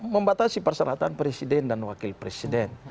membatasi perseratan presiden dan wakil presiden